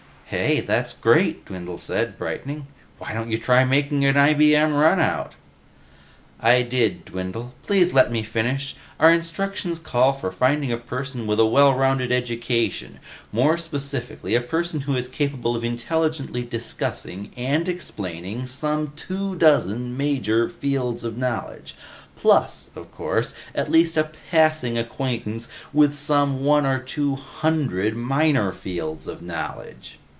"Hey, that's great!" Dwindle said, brightening. "Why don't you try making an IBM runout?" "I did, Dwindle. Please let me finish? Our instructions call for finding a person with a well rounded education. More specifically, a person who is capable of intelligently discussing and explaining some two dozen major 'fields of knowledge.' Plus, of course, at least a passing acquaintance with some one or two hundred minor fields of knowledge.